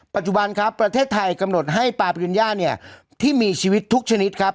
ปัจจุบันครับประเทศไทยกำหนดให้ปาปริญญาเนี่ยที่มีชีวิตทุกชนิดครับ